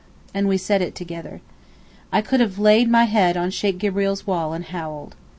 and we said it together. I could have laid my head on Sheykh Gibreel's wall and howled.